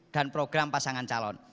dan program pasangan calon